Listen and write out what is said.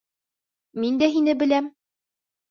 Мин дә һине беләм.